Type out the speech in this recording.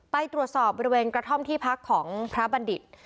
ไปตรวจสอบบริเวณกระท่อมที่พักของพระบัณฑิต